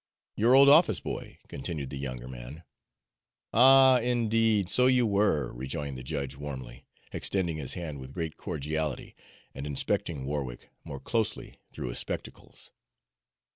"Your old office boy," continued the younger man. "Ah, indeed, so you were!" rejoined the judge warmly, extending his hand with great cordiality, and inspecting Warwick more closely through his spectacles.